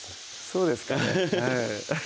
そうですかね